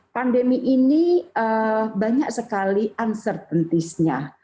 pandemi ini banyak sekali uncertaintisnya